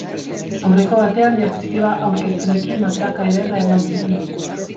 Aurreko batean diapositiba aurkezpenekin matraka ederra eman zigun.